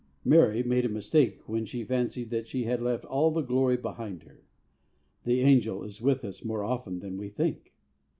Mary made a mistake when she fancied that she had left all the glory behind her. The angel is with us more often than we think.